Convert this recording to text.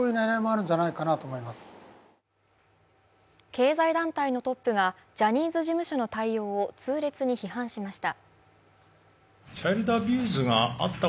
経済団体のトップが、ジャニーズ事務所の対応を痛烈に批判しました。